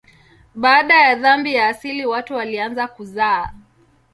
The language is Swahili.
Baada ya dhambi ya asili watu walianza kuzaa.